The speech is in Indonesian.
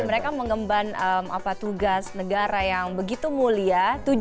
menggemban tugas negara yang begitu mulia